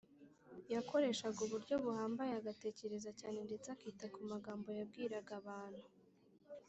yakoreshaga uburyo buhambaye, agatekereza cyane ndetse akita ku magambo yabwiraga abantu